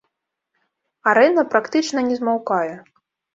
Арэна практычна не змаўкае.